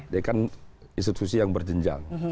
dia kan institusi yang berjenjang